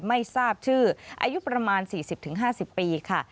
ไม่ทราบชื่ออายุประมาณ๔๐๕๐ปีค่ะ